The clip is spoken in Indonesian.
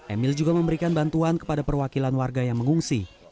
emil juga memberikan bantuan kepada perwakilan warga yang mengungsi